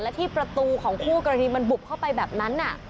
และที่ประตูของคู่กรณีมันบุบเข้าไปแบบนั้น